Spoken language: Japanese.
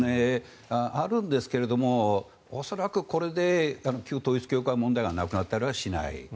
あるんですけども恐らく、これで旧統一教会問題がなくなったりはしない。